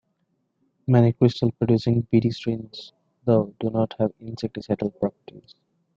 Many crystal-producing Bt strains, though, do not have insecticidal properties.